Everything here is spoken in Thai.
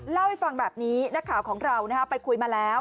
เล่าให้ฟังแบบนี้นักข่าวของเราไปคุยมาแล้ว